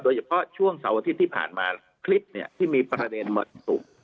โดยเฉพาะช่วงเสาร์อาทิตย์ที่ผ่านมาคลิปเนี่ยที่มีประเด็นหมดถูก